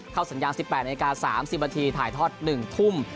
สัญญาณ๑๘นาที๓๐นาทีถ่ายทอด๑ทุ่ม